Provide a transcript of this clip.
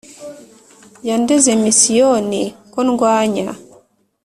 yandeze misiyoni ko ndwanya